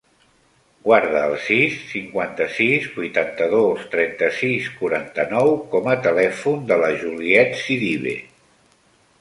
Guarda el sis, cinquanta-sis, vuitanta-dos, trenta-sis, quaranta-nou com a telèfon de la Juliet Sidibe.